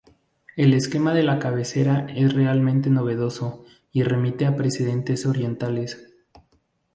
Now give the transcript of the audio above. El esquema de la cabecera es realmente novedoso y remite a precedentes orientales.